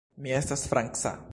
Mi estas franca.